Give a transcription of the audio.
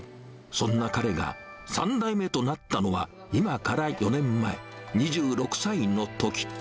そんな彼が３代目となったのは、今から４年前、２６歳のとき。